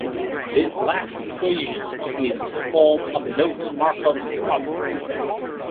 This last equation is in the form of a local Markov property.